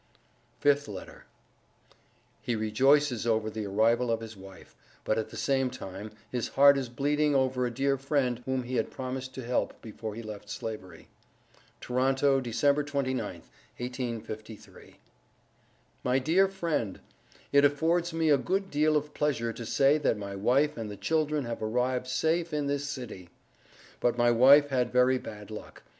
FIFTH LETTER. He rejoices over the arrival of his wife but at the same time, his heart is bleeding over a dear friend whom he had promised to help before he left Slavery. TORONTO, December 29th, 1853. MY DEAR FRIEND: It affords me a good deel of Pleasure to say that my wife and the Children have arrived safe in this City. But my wife had very bad luck.